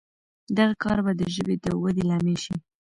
دغه کار به د ژبې د ودې لامل شي.